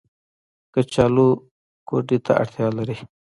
کچالو ګودې ته اړتيا لري